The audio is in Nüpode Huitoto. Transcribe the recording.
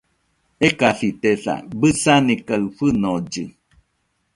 Ekasitesa, bɨsani kaɨ fɨnollɨ